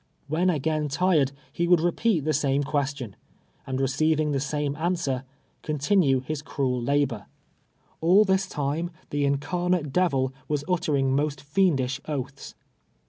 Wlien again tired, lie would repeat the same (piestion, and receiving the same answer, continue his cruel labor. All this time, the incarnate devil was utter ing most fiendish oaths.